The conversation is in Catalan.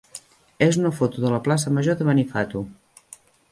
és una foto de la plaça major de Benifato.